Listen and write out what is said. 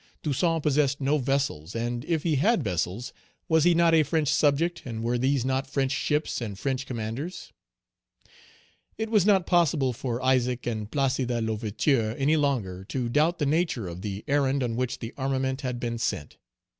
Toussaint possessed no vessels, and if he had vessels, was he not a French subject, and were these not French ships and French commanders? It was not possible for Isaac and Placide L'Ouverture any longer to doubt the nature of the errand on which the armament had been sent.